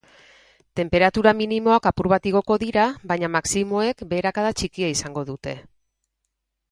Tenperatura minimoak apur bat igoko dira, baina maximoek beherakada txikia izango dute.